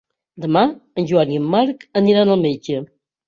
Demà en Joan i en Marc aniran al metge.